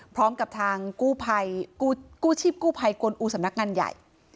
พร้อมกับทางกู้ชีพกู้ภัยกลอุสัมนักงานใหญ่